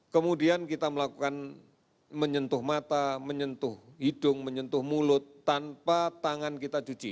kemudian kita melakukan menyentuh mata menyentuh hidung menyentuh mulut tanpa tangan kita cuci